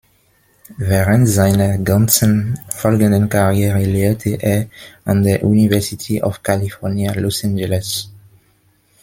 Während seiner ganzen folgenden Karriere lehrte er an der University of California, Los Angeles.